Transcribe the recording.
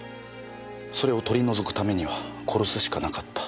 それを取り除くためには殺すしかなかった。